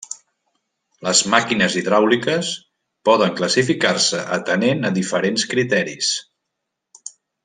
Les màquines hidràuliques poden classificar-se atenent a diferents criteris.